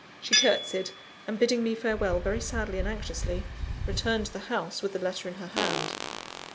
She curtseyed; and, bidding me farewell very sadly and anxiously, returned to the house with the letter in her hand.